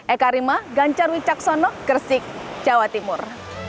eka rima ganjar wicaksono gresik jawa timur